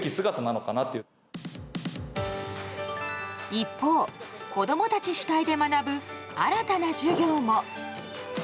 一方、子供たち主体で学ぶ新たな授業も。